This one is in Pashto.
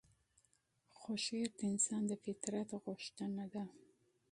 خو شعر د انسان د فطرت غوښتنه ده.